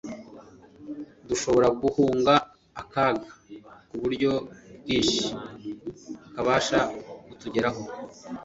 dushobore guhunga akaga k'uburyo bwinshi kabasha kutugeraho